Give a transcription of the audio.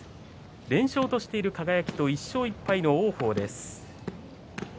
連勝としている輝と１勝１敗の王鵬です。